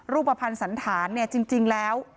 รูปภัณฑ์สันฐานจริงแล้ว